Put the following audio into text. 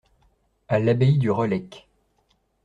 À l’abbaye du Relecq.